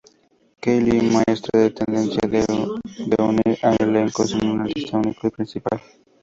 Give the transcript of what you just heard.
Kelley muestra su tendencia de unir a elencos sin un artista único o principal.